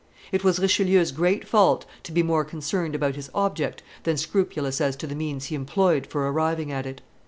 It was Richelieu's great fault to be more concerned about his object than scrupulous as to the means he employed for arriving at it.